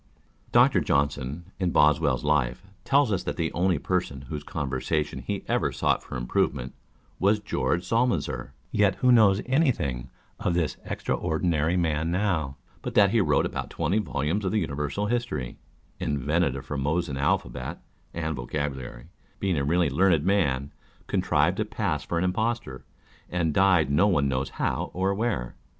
Dr. Johnson, in Boswcll's Life, tells ns that the only person whose conversation he ever sought for improve ment was George Psalmanazar : yet who knows any thing of this extraordinary man now, but that he wrote about twenty volumes of the Universal History â€" invented a Formosan alphabet and vocabulary â€" being a really learned man, contrived to pass for an impostor, and died no one knows how or where